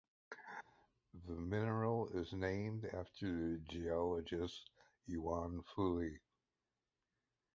The mineral is named after the geologist Yuan Fuli.